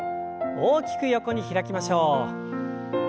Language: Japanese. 大きく横に開きましょう。